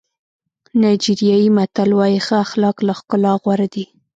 نایجیریایي متل وایي ښه اخلاق له ښکلا غوره دي.